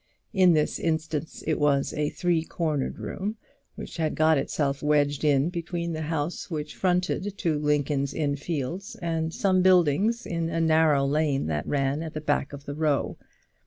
In this instance it was a three cornered room, which had got itself wedged in between the house which fronted to Lincoln's Inn Fields, and some buildings in a narrow lane that ran at the back of the row.